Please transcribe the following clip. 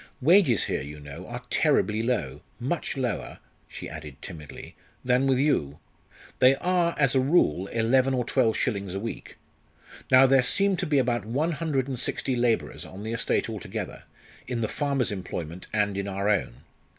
Wages here, you know, are terribly low, much lower" she added timidly "than with you. They are, as a rule, eleven or twelve shillings a week. Now there seem to be about one hundred and sixty labourers on the estate altogether, in the farmers' employment and in our own.